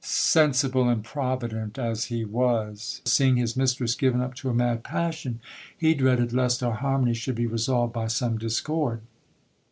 Sensible and provident as he was, seeing his mistress given up to a mad passion, he dreaded lest our har mony should be resolved by some discord.